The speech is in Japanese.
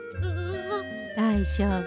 だいじょうぶ。